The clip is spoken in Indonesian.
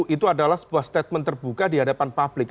itu adalah sebuah statement terbuka di hadapan publik